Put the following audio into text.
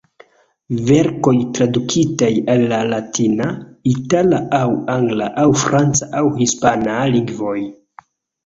Verkoj tradukitaj al la latina, itala aŭ angla aŭ franca aŭ hispana... lingvoj.